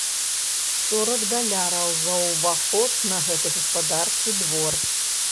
Сорак даляраў за ўваход на гэты гаспадарчы двор!